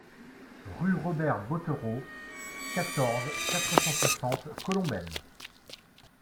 Rue Robert Bothereau, quatorze, quatre cent soixante Colombelles